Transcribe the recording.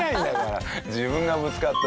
自分がぶつかっておいて。